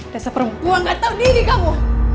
desa perempuan gak tau diri kamu